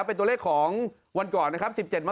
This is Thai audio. เป็นตัวเลขของวันก่อนนะครับ